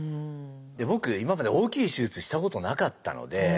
僕今まで大きい手術したことなかったので。